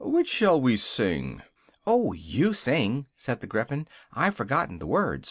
Which shall sing?" "Oh! you sing!" said the Gryphon, "I've forgotten the words."